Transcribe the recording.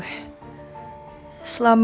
selama gak ada bukti yang meringankan mama